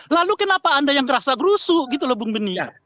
lalu kenapa anda yang ngerasa gerusu gitu loh bung beni